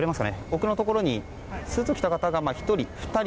奥のところにスーツを着た方が１人、２人